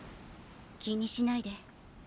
気にしないで。